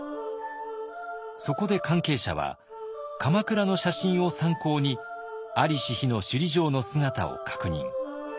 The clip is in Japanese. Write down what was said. そこで関係者は鎌倉の写真を参考に在りし日の首里城の姿を確認。